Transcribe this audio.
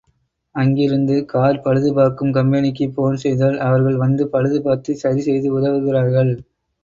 அங்கிருந்து கார் பழுதுபார்க்கும் கம்பெனிக்கு போன் செய்தால் அவர்கள் வந்து பழுது பார்த்துச் சரி செய்து உதவுகிறார்கள்.